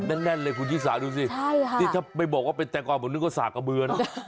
แน่นเลยคุณชิสาดูสินี่ถ้าไม่บอกว่าเป็นแตงกอผมนึกว่าสากกระเบือน